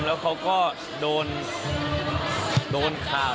แล้วเขาก็โดนข่าว